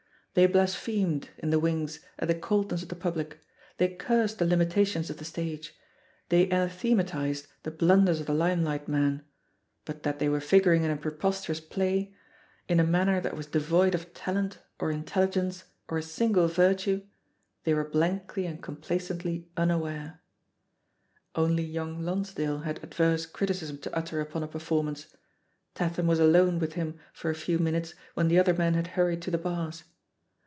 They blasphemed, in the wings, at the coldness of the public, they cursed the limitations of the stage, they anathematised the blunders of the limelight man; but that they were figuring in a preposterous play, in a man« M THE POSITION OF PEGGY HARPER ner that was devoid of talent, or intelligence, or a single virtue, they were blankly and compla* oently unaware. Only young Lonsdale had adverse criticism to utter upon a performance ; Tatham was alone with him for a few minutes when the other men had hurried to the bars.